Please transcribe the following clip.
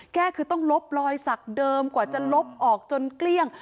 แก้คือต้องลบรอยสักเดิมกว่าจะลบออกจนเกลี้ยง